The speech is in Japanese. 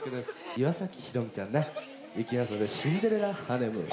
岩崎宏美ちゃんねいきますので「シンデレラ・ハネムーン」